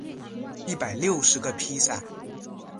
一百六十个披萨